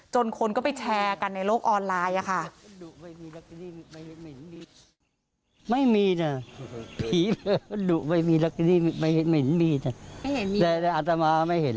คนก็ไปแชร์กันในโลกออนไลน์ค่ะ